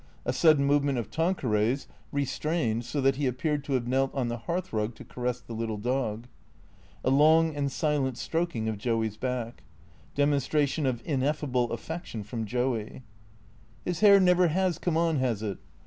A sudden movement of Tan queray's, restrained, so that he appeared to have knelt on the hearthrug to caress the little dog. A long and silent stroking of Joey's back. Demonstration of ineffable affection from Joey.) "His hair never has come on, has it?